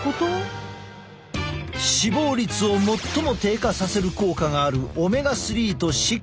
死亡率を最も低下させる効果があるオメガ３と６。